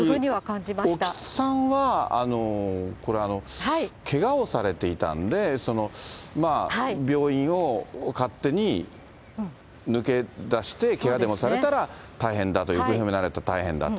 つまり興津さんは、けがをされていたんで、病院を勝手に抜け出してけがでもされたら、大変だと、行方不明になられては大変だと。